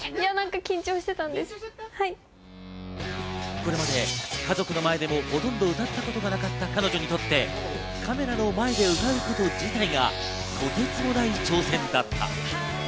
これまで家族の前でもほとんど歌ったことがなかった彼女にとって、カメラの前で歌うこと自体がとてつもなく挑戦だった。